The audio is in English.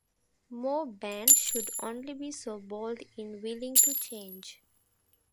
More bands should only be so bold in willing to change.